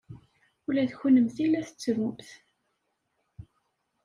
Ula d kennemti la tettrumt?